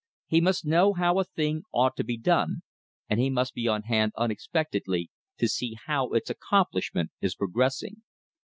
He must know how a thing ought to be done, and he must be on hand unexpectedly to see how its accomplishment is progressing.